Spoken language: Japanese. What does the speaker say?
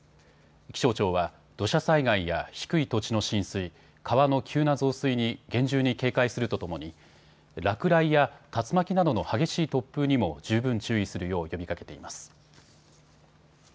気象庁は土砂災害や低い土地の浸水、川の急な増水に厳重に警戒するとともに落雷や竜巻などの激しい突風にも十分注意するよう呼びかけています。